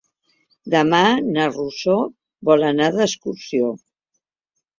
Demà na Rosó vol anar d'excursió.